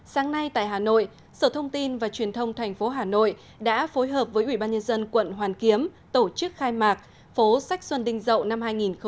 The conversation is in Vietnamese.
sáng nay tại hà nội sở thông tin và truyền thông tp hà nội đã phối hợp với ủy ban nhân dân quận hoàn kiếm tổ chức khai mạc phố sách xuân đình dậu năm hai nghìn một mươi chín